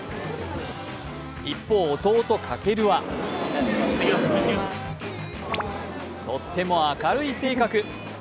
一方、弟・翔はとっても明るい性格。